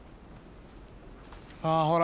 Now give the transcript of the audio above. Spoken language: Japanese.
さあほら